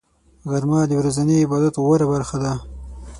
غرمه د ورځني عبادت غوره برخه ده